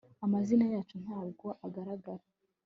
amazina yacu ntabwo agaragara